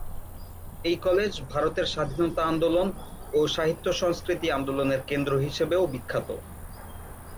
এই কলেজ ভারতের স্বাধীনতা আন্দোলন ও সাহিত্য সংস্কৃতি আন্দোলনের কেন্দ্র হিসেবেও বিখ্যাত।